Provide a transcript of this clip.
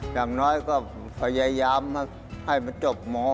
อย่างน้อยก็พยายามให้มันจบหมอ